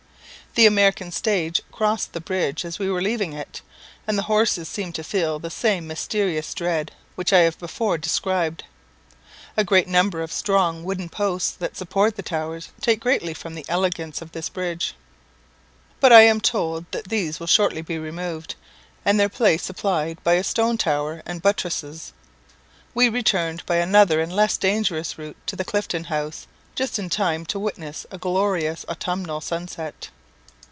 The American stage crossed the bridge as we were leaving it, and the horses seemed to feel the same mysterious dread which I have before described. A great number of strong wooden posts that support the towers take greatly from the elegance of this bridge; but I am told that these will shortly be removed, and their place supplied by a stone tower and buttresses. We returned by another and less dangerous route to the Clifton House, just in time to witness a glorious autumnal sunset.